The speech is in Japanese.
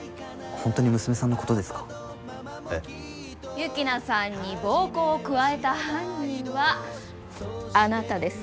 幸那さんに暴行を加えた犯人はあなたですね？